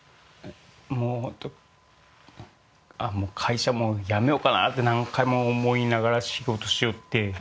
もう本当会社もうやめようかなって何回も思いながら仕事しよって。